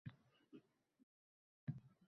Bu qoʻllardan koʻra sodiqroqdir